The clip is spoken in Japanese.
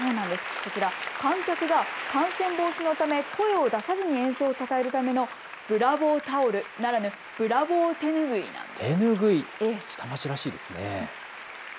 こちら観客が感染防止のため声を出さずに演奏をたたえるためのブラボータオルならぬブラボー手拭いなんです。